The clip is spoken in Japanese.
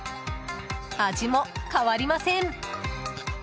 味も変わりません。